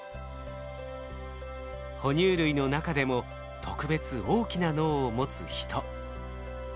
哺乳類の中でも特別大きな脳を持つヒト。